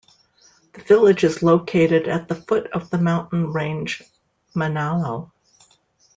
The village is located at the foot of the mountain range Mainalo.